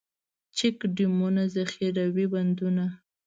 چک ډیمونه، ذخیروي بندونه.